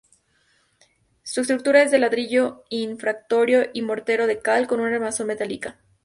Su estructura es de ladrillo refractario y mortero de cal, con una armazón metálica.